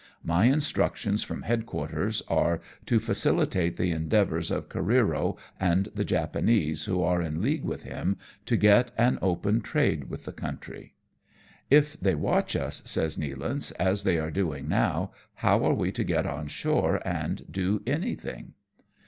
My instructions from head quarters are, to facilitate the endeavours of Careero and the Japanese who are in league with him, to get an open trade with the country.'^ "If they watch us," says Nealance, "as they are doing now, how are we to get on shore and do anything